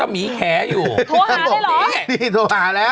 นี่โทรหาแล้ว